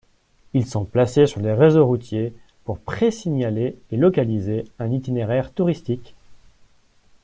Ils sont placés sur les réseaux routiers pour présignaler et localiser un itinéraire touristique.